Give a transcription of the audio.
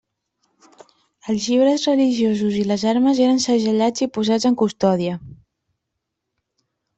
Els llibres religiosos i les armes eren segellats i posats en custòdia.